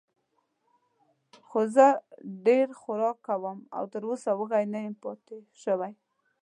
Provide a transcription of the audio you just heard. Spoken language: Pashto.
خو زه ډېر خوراک کوم او تراوسه وږی نه یم پاتې شوی.